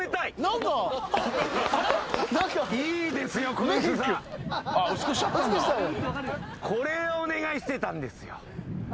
これお願いしてたんですよ。